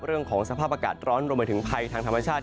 เรื่องของสภาพอากาศร้อนรวมไปถึงภัยทางธรรมชาติ